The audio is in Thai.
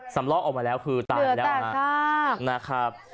ลอกออกมาแล้วคือตายแล้วนะครับ